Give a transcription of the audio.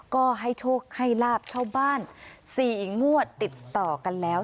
ก็ให้โชคให้ลาบเช่าบ้าน๔งวดติดต่อกันแล้ว